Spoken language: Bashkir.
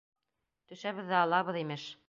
Төшәбеҙ ҙә алабыҙ, имеш!